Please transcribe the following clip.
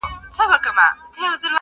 د شعرونو کتابچه وای-